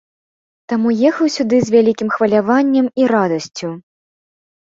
Таму ехаў сюды з вялікім хваляваннем і радасцю.